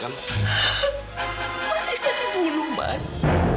mas isa dibunuh mas